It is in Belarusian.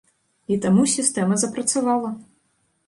І таму сістэма запрацавала.